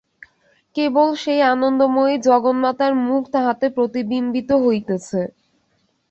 কেবল সেই আনন্দময়ী জগন্মাতার মুখ তাহাতে প্রতিবিম্বিত হইতেছে।